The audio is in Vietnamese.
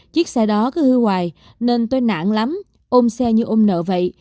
chiếc xe đó cứ hư ngoài nên tôi nản lắm ôm xe như ôm nợ vậy